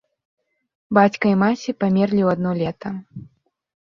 Бацька і маці памерлі ў адно лета.